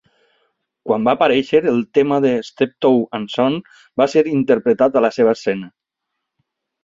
Quan va aparèixer, el tema de "Steptoe and Son" va ser interpretat a la seva escena.